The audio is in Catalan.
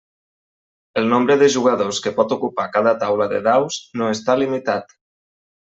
El nombre de jugadors que pot ocupar cada taula de daus no està limitat.